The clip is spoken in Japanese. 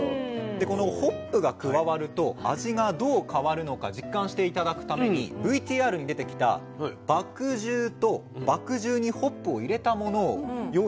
でこのホップが加わると味がどう変わるのか実感して頂くためにＶＴＲに出てきた「麦汁」と「麦汁にホップを入れたもの」を用意しました。